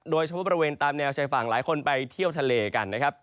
บริเวณตามแนวชายฝั่งหลายคนไปเที่ยวทะเลกันนะครับ